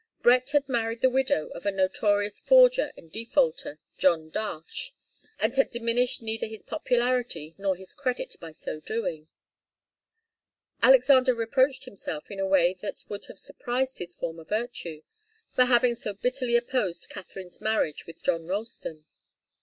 Brett had married the widow of the notorious forger and defaulter, John Darche, and had diminished neither his popularity nor his credit by so doing. Alexander reproached himself in a way that would have surprised his former virtue, for having so bitterly opposed Katharine's marriage with John Ralston.